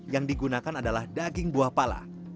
yang digunakan adalah daging buah pala